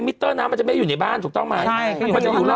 มิตเตอร์น้ำมันจะไม่อยู่ในบ้านถูกต้องไหมใช่มันจะอยู่รอบ